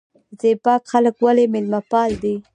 زیباک خلک ولې میلمه پال دي؟